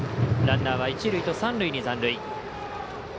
ランナーは一塁と三塁に残塁。